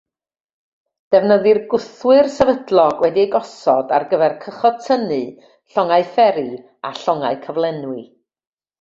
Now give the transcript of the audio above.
Defnyddir gwthwyr sefydlog wedi'u gosod ar gyfer cychod tynnu, llongau fferi a llongau cyflenwi.